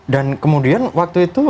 dan kemudian waktu itu